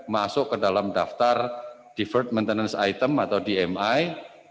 masuk ke dalam daftar defer maintenance item atau dmi